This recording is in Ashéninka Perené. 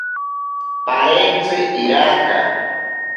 Parentzi iraka.